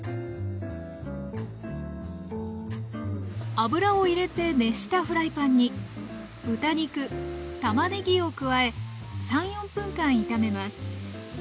油を入れて熱したフライパンに豚肉たまねぎを加え３４分間炒めます。